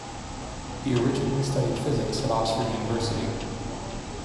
He originally studied physics at Oxford University.